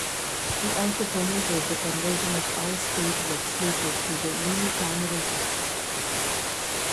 He also promoted the conversion of all state legislatures to the unicameral system.